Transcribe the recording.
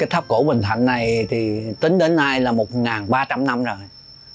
tháp cổ bình thạnh này thì tính đến nay là một ba trăm linh năm rồi